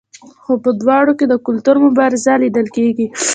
خو په دواړو کې د کلتور مبارزه لیدل کیږي.